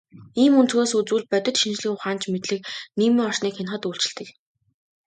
Ийм өнцгөөс үзвэл, бодит шинжлэх ухаанч мэдлэг нийгмийн орчныг хянахад үйлчилдэг.